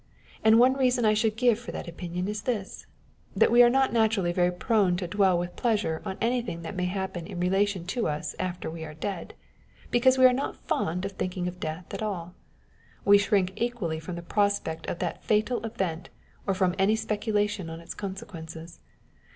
And one reason I should give for that opinion is this, that we are not naturally very prone to dwell with pleasure on anything that may happen in relation to us after we are dead, because we are not fond of thinking of death at all. We shrink equally from the prospect of that fatal event or from any speculation on its consequences.